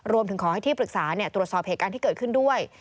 รวมถึงขอให้ที่ปรึกษาตรวจสอบเหตุการณ์ที่เกิดขึ้นด้วย